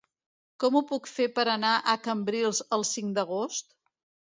Com ho puc fer per anar a Cambrils el cinc d'agost?